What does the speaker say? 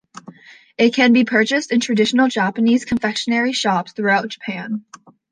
It can be purchased in traditional Japanese confectionery shops throughout Japan.